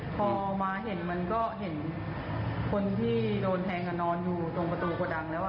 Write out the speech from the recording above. พอมาเห็นมันก็เห็นคนที่โดนแทงนอนอยู่ตรงประตูกระดังแล้ว